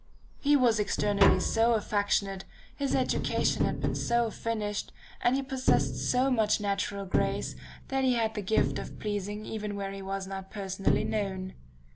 "He was externally so affectionate, his education had been so finished, and he possessed so much natural grace, that he had the gift of pleasing even where he was not personally known.